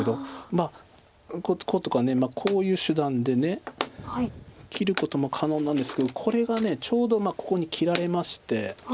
まあこうとかこういう手段で切ることも可能なんですけどこれがちょうどここに切られまして。